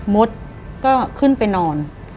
มดก็ขึ้นไปนอน